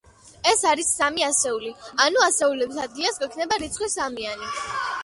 ეს არის სამი ასეული, ანუ ასეულების ადგილას გვექნება რიცხვი სამიანი.